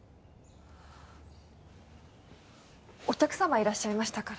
お客様いらっしゃいましたから。